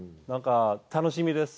楽しみです。